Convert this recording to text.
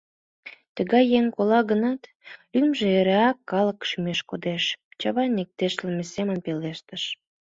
Тыгай еҥ кола гынат, лӱмжӧ эреак калык шӱмеш кодеш, — Чавайн иктешлыме семын пелештыш.